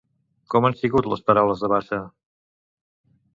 Com han sigut les paraules de Bassa?